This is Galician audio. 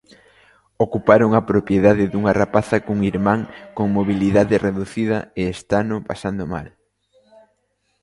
Ocuparon a propiedade dunha rapaza cun irmán con mobilidade reducida e estano pasando mal.